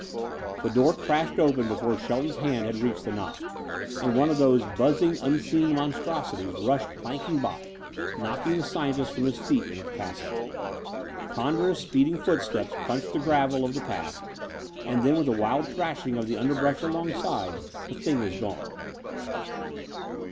The door crashed open before Shelton's hand had reached the knob, and one of those buzzing, unseen, monstrosities rushed clanking by, knocking the scientist from his feet in its passage. Ponderous, speeding footsteps crunched the gravel of the path, and then, with a wild thrashing of the underbrush alongside, the thing was gone.